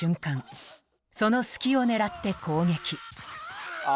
その隙を狙って攻撃。